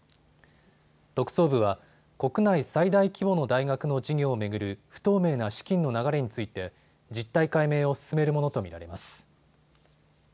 特捜部は国内最大規模の大学の事業を巡る不透明な資金の流れについて実態解明を進めるものと見られます。